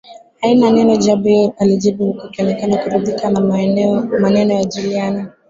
Haina neno Jabir alijibu huku akionekana kuridhika na maneno ya Juliana